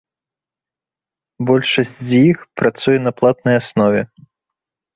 Большасць з іх працуе на платнай аснове.